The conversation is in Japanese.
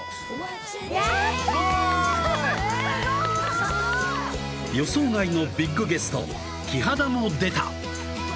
すごい！予想外のビッグゲストキハダも出た！